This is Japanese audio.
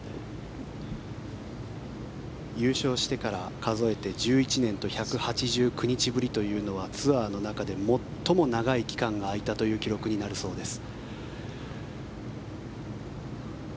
優勝してから数えて１１年と１８９日ぶりというのはツアーの中で最も長い期間が空いたという記録になるそうです。